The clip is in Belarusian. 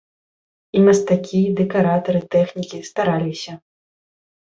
І мастакі, дэкаратары, тэхнікі стараліся.